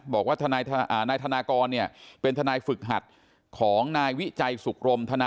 บอกว่าทนายธนากรเนี่ยเป็นทนายฝึกหัดของนายวิจัยสุขรม